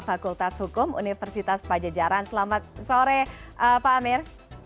fakultas hukum universitas pajajaran selamat sore pak amir